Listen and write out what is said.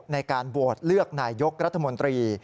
ในการโหวตเลือกนายยกรัฐมนตรี